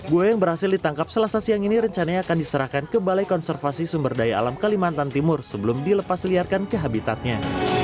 buaya yang berhasil ditangkap selasa siang ini rencananya akan diserahkan ke balai konservasi sumber daya alam kalimantan timur sebelum dilepas liarkan ke habitatnya